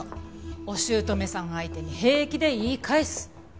お姑さん相手に平気で言い返す。